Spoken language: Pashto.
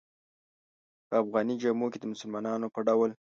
په افغاني جامو کې د مسلمانانو په ډول.